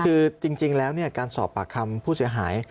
คือจริงแล้วการสอบปากคำผู้เสียหาย